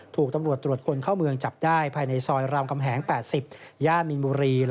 ถูกตำรวจตรวจคนเข้าเมืองจับได้ภายในซอยรามกำแหง๘๐ย่านมีนบุรี